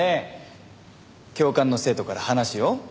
教官の生徒から話を？